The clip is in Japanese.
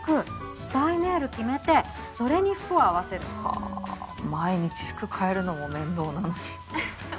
したいネイル決めてそれに服を合わせるの。はあ毎日服かえるのも面倒なのに。